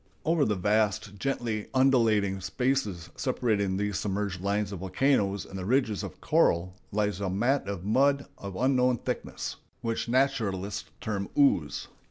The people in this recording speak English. Over the vast, gently undulating spaces separating these submerged lines of volcanoes and the ridges of coral, lies a mat of mud of unknown thickness, which naturalists term "ooze."